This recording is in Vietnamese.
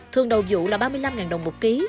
thường đầu vụ là ba mươi năm đồng một ký